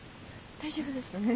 大丈夫ですか？